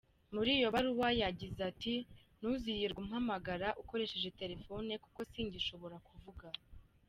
Muri iyo baruwa yagize ati: “ntuzirirwe umpamagara ukoresheje Telefone kuko singishobora kuvuga”